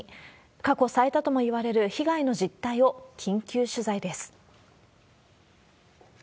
過去最多ともいわれる被害の実態を緊急取材です。